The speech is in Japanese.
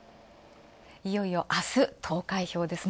いよいよ、あす投開票ですね。